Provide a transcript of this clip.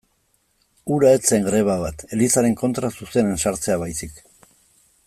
Hura ez zen greba bat, Elizaren kontra zuzenean sartzea baizik.